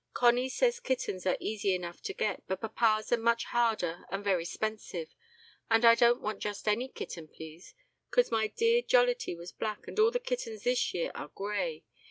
Conny says kittens are easy enuff to get, but papas are much harder and very spensive. but I dont want just any kitten please, cause my dear Jollity was black and all the kittens this year are grey.